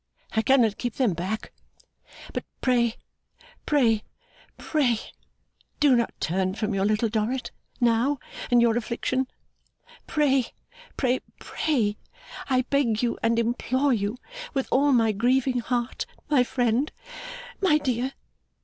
I cannot keep them back. But pray, pray, pray, do not turn from your Little Dorrit, now, in your affliction! Pray, pray, pray, I beg you and implore you with all my grieving heart, my friend my dear!